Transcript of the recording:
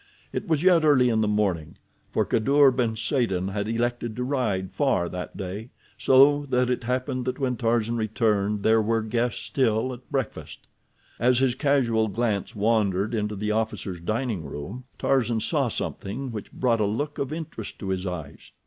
It was yet early in the morning, for Kadour ben Saden had elected to ride far that day, so that it happened that when Tarzan returned there were guests still at breakfast. As his casual glance wandered into the officers' dining room, Tarzan saw something which brought a look of interest to his eyes.